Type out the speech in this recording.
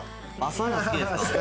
そういうの好きですか？